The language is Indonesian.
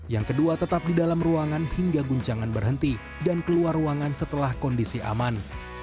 yang kedua tetap di dalam ruangan hingga guncangan berhenti dan keluar ruangan setelah kondisi aman